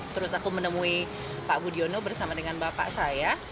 terus aku menemui pak budiono bersama dengan bapak saya